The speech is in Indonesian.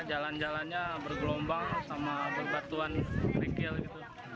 jalan jalannya bergelombang sama berbatuan kerikil gitu